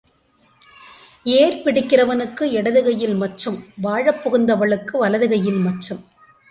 ஏர் பிடிக்கிறவனுக்கு இடது கையில் மச்சம் வாழப் புகுந்தவளுக்கு வலது கையில் மச்சம்.